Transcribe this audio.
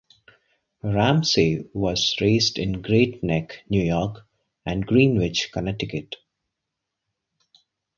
Ramsey was raised in Great Neck, New York and Greenwich, Connecticut.